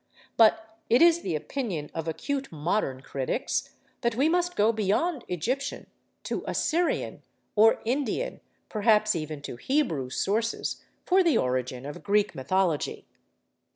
But it is the opinion of acute modern critics that we must go beyond Egyptian—to Assyrian, or Indian, perhaps even to Hebrew sources—for the origin of Greek mythology.